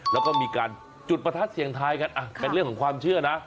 แล้วก็มีการจุดประทัดเสียงทายกันเป็นเรื่องของความเชื่อนะ